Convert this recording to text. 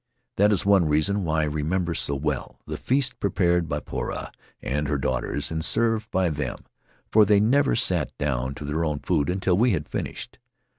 That is one reason why I remember so well the feasts prepared by Poura and her daughters, and served by them, for they never sat down to their own food until we had finished.